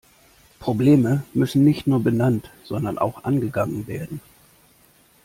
Probleme müssen nicht nur benannt, sondern auch angegangen werden.